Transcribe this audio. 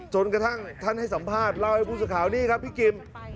จนกระทั่งท่านให้สัมภาษณ์เล่าให้ผู้สื่อข่าวนี่ครับพี่กิม